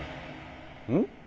うん？